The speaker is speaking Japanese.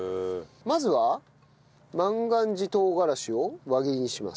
まずは万願寺とうがらしを輪切りにします。